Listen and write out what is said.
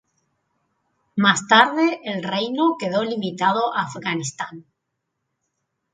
Más tarde, el reino quedó limitado a Afganistán.